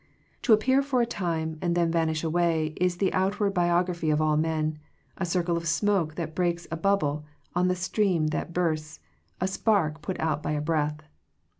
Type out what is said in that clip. To appear for a little time and then vanish away, is the outward biography of all men, a circle of smoke that breaks, a bubble on the stream that bursts, a spark put out by a breath.